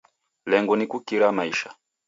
Lengo ni kukira maisha.